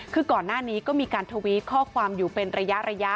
คือก่อนหน้านี้ก็มีการทวิตข้อความอยู่เป็นระยะ